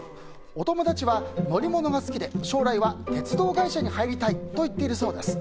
お友達は乗り物が好きで、将来は鉄道会社に入りたいと言っているそうです。